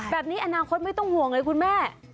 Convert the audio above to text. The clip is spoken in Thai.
แบบนี้อนาคตไม่ต้องห่วงเลยคุณแม่